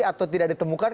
atau tidak ditemukan